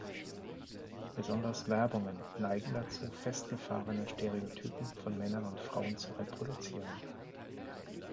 Besonders Werbungen neigen dazu, festgefahrene Stereotypen von Männern und Frauen zu reproduzieren.